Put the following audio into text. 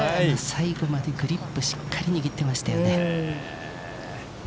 最後までグリップをしっかり握っていましたよね。